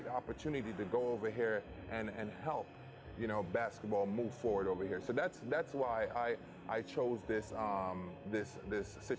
tapi untuk bergerak dan membantu kembali ke kemampuan basket di indonesia